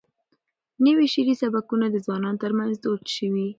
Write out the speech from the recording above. نوي شعري سبکونه د ځوانانو ترمنځ دود شوي.